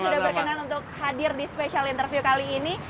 sudah berkenan untuk hadir di spesial interview kali ini